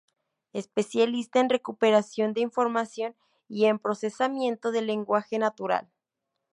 Especialista en Recuperación de información y en procesamiento del lenguaje natural.